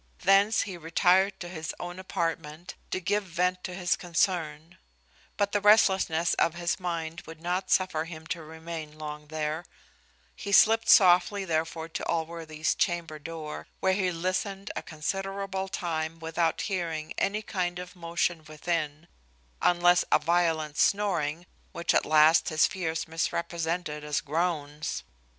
Thence he retired to his own apartment, to give vent to his concern; but the restlessness of his mind would not suffer him to remain long there; he slipped softly therefore to Allworthy's chamber door, where he listened a considerable time without hearing any kind of motion within, unless a violent snoring, which at last his fears misrepresented as groans.